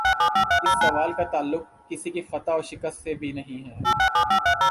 اس سوال کا تعلق کسی کی فتح و شکست سے بھی نہیں ہے۔